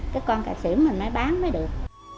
cái con cà xỉu mình mới bán mới được